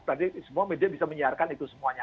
tadi semua media bisa menyiarkan itu semuanya